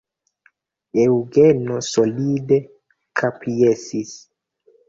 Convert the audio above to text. Eŭgeno solide kapjesis.